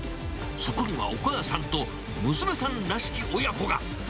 そこにはお母さんと娘さんらしき親子が。